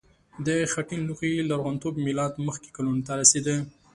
د خټین لوښي لرغونتوب میلاد مخکې کلونو ته رسیده.